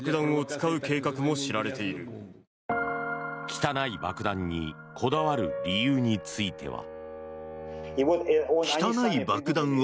汚い爆弾にこだわる理由については。